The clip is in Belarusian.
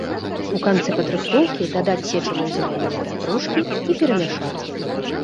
У канцы падрыхтоўкі дадаць сечаную зеляніну пятрушкі і перамяшаць.